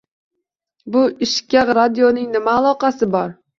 — Bu ishga radioning nima aloqasi bor?